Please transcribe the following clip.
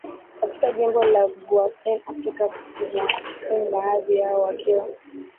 katika jimbo la Gauteng Afrika Kusinibaadhi yao wakiwa